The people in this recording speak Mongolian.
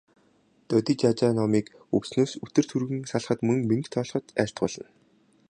Додижажаа номыг өвчнөөс үтэр түргэн салахад, мөн мэнгэ голлоход айлтгуулна.